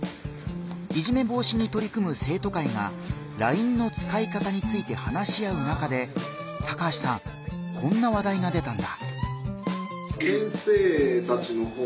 いじめ防止にとり組む生徒会がＬＩＮＥの使い方について話し合う中で高橋さんこんな話題が出たんだ。